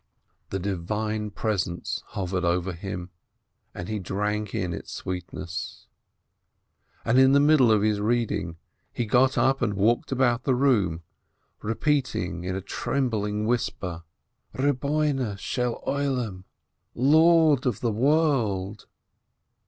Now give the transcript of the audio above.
The Divine Presence hovered over him, and he drank in its sweetness. And in the middle of his reading, he got up and walked about the room, repeating in a trembling whisper, "Lord of the World ! 0 Lord of the World